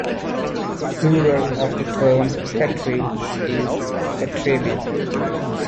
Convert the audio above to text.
The plural of the term "tetri" is "tetrebi.